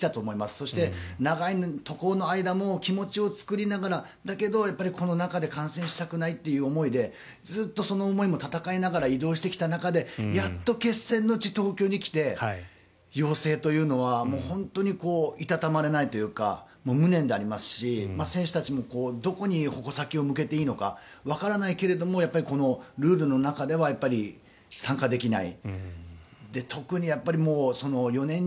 そして長い渡航の間も気持ちを作りながらだけど、この中で感染したくないという思いでずっとその思いと闘いながら移動してきた中でやっと決戦の地・東京に来て陽性というのはもういたたまれないというか無念でありますし、選手たちもどこに矛先を向けていいのかわからないけれどもこのルールの中では参加できない。